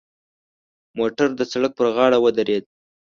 موټر د سړک پر غاړه ودرید.